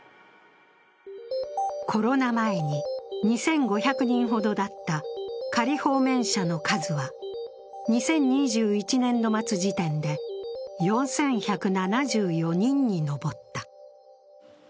コロナ前に２５００人ほどだった仮放免者の数は２０２１年度末時点で４１７４人に上った。